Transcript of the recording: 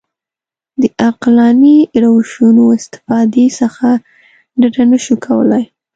د عقلاني روشونو استفادې څخه ډډه نه شو کولای.